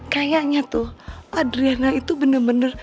kayaknya tuh adriana itu bener bener